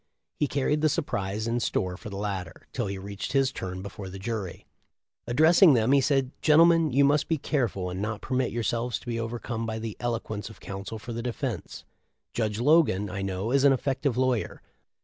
He carried the surprise in store for the latter, till he reached his turn before the jury. Addressing them, he said : "Gentlemen, you must be careful and not permit yourselves to be overcome by the eloquence of counsel for the defense. Judge Logan. I know, is an effective lawyer.